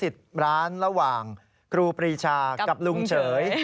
ติดร้านระหว่างครูปรีชากับลุงเฉย